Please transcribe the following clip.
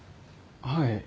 はい。